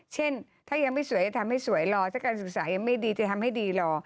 เช่นถ้ายังไม่สวยจะทำให้สวยรอถ้าการศึกษายังไม่ดีจะทำให้ดีรอ